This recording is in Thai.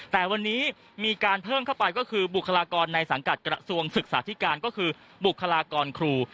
แต่วันนี้มีการเพิ่มเข้าไปก็คือบุคลากรในสังกัดกระทรวงศึกษาธิการก็คือบุคลากรครู